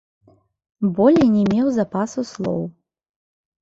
Болей не меў запасу слоў.